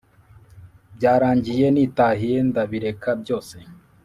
Byarangiye nitahiye ndabireka byose